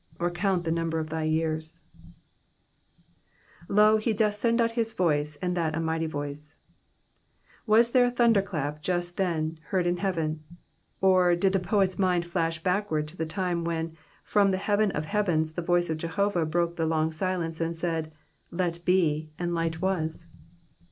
Or count the numt>er of thy years ? Digitized by VjOOQIC P8ALH THE SIXTY EIGHTH. 227 ^^Loy he doth iend out his voice, and that a mighty wiee,'*^ Was there a thunder clap just then heard in heaven ? Or, did the poet^s mind flash backward to the time wherf from the heaven of heavens the voice of Jehovah broke the long silence and said, Light be," and light was.